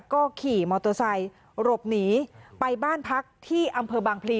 ก็ขี่มอเตอร์ไซค์หลบหนีไปบ้านพักที่อำเภอบางพลี